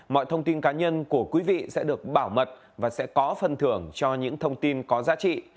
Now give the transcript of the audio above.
mọi thông tin cá nhân của quý vị sẽ được bảo mật và sẽ có phần thưởng cho những thông tin có giá trị